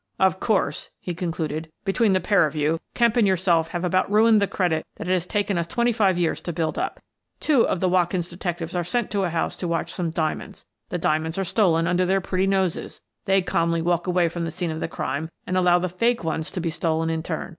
" Of course," he concluded, "between the pair of you, Kemp and yourself have about ruined the credit that it has taken us twenty five years to build up. Two of the Watkins detectives are sent to a house to watch some diamonds. The diamonds are stolen under their pretty noses. They calmly walk away from the scene of the crime and allow the fake ones to be stolen in turn.